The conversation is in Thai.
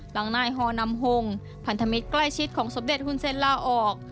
หลังนายฮอนำฮงพันธมิตรใกล้ชิดของสมเด็จฮุนเซ็นลาออก